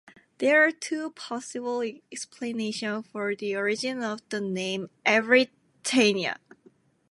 There are two possible explanations for the origin of the name "Evrytania".